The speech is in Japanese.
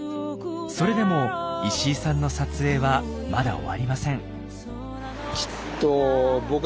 それでも石井さんの撮影はまだ終わりません。